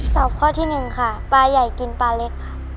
ตอบข้อที่หนึ่งปลายกินปลาเล็ก